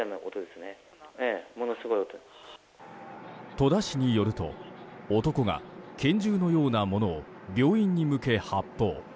戸田市によると男が拳銃のようなものを病院に向け発砲。